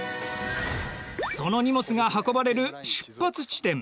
その荷物が運ばれる出発地点